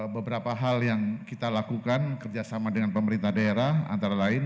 beberapa hal yang kita lakukan kerjasama dengan pemerintah daerah antara lain